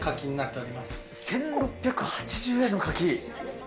１６８０円の柿？